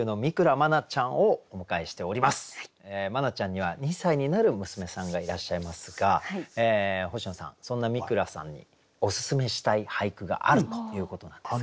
茉奈ちゃんには２歳になる娘さんがいらっしゃいますが星野さんそんな三倉さんにおすすめしたい俳句があるということなんですが。